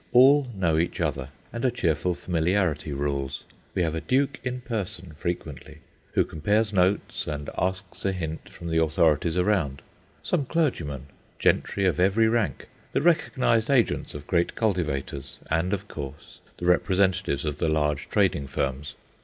All know each other, and a cheerful familiarity rules. We have a duke in person frequently, who compares notes and asks a hint from the authorities around; some clergymen; gentry of every rank; the recognized agents of great cultivators, and, of course, the representatives of the large trading firms.